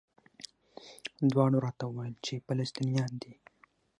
دواړو راته وویل چې فلسطینیان دي.